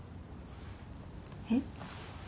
えっ？